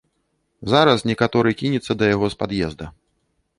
Зараз некаторы кінецца да яго з пад'езда.